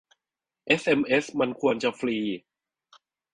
เอสเอ็มเอสมันควรจะฟรี